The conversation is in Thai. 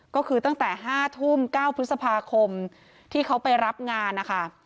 ก็คือตั้งแต่๕ทุ่ม๙พฤษภาคมที่เขาไปรับงานนะคะ